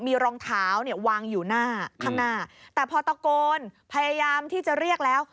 มีรองเท้าเนี่ยวางอยู่หน้าข้างหน้าแต่พอตะโกนพยายามที่จะเรียกแล้ว